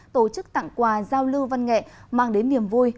tổ chức tặng quà giao lưu văn nghệ mang đến niềm vui